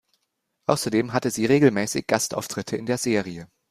Außerdem hatte sie regelmäßig Gastauftritte in der Serie.